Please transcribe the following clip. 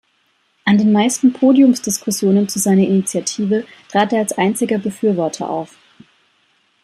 An den meisten Podiumsdiskussionen zu seiner Initiative trat er als einziger Befürworter auf.